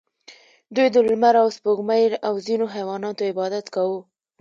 دوی د لمر او سپوږمۍ او ځینو حیواناتو عبادت کاوه